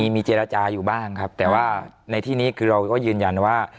มีเจรจาอยู่บ้างครับแต่ว่าในที่นี้คือเราก็ยืนยันว่า